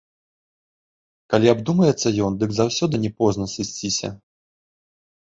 Калі абдумаецца ён, дык заўсёды не позна сысціся.